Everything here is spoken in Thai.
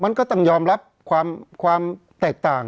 เพราะฉะนั้นประชาธิปไตยเนี่ยคือการยอมรับความเห็นที่แตกต่าง